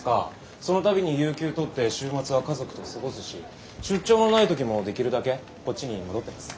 その度に有休取って週末は家族と過ごすし出張のない時もできるだけこっちに戻ってます。